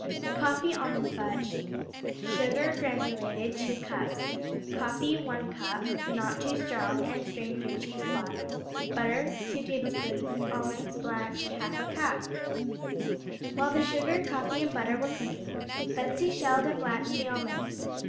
Coffee Almond Fudge Sugar (granulated), 2 cups Coffee, 1 cup (Not too strong, and strain through cheesecloth.) Butter, 2 tablespoons Almonds (blanched), 1/2 cup While the sugar, coffee and butter were cooking, Betsey shelled and blanched the almonds.